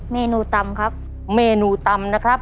เมนูตำครับ